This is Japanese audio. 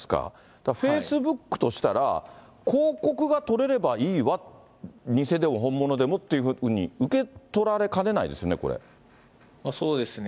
だからフェイスブックとしたら、広告が取れればいいわ、偽でも本物でもっていうふうに受け取られかねないですね、そうですね。